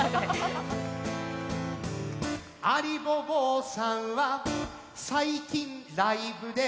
「ありぼぼさんは最近ライブで」